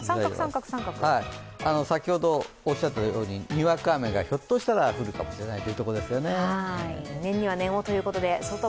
先ほどおっしゃったように、にわか雨がひょっとしたら降るかもしれないと。